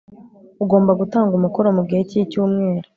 ugomba gutanga umukoro mugihe cyicyumweru